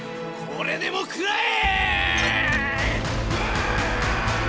これでも食らえ！